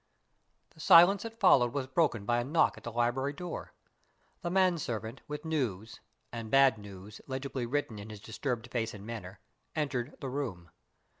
The silence that followed was broken by a knock at the library door. The man servant with news, and bad news, legibly written in his disturbed face and manner entered the room.